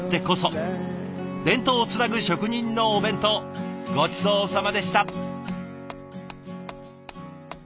伝統をつなぐ職人のお弁当ごちそうさまでした。